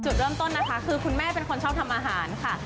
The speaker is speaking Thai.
จุดเริ่มต้นนะคะคือคุณแม่เป็นคนชอบทำอาหารค่ะ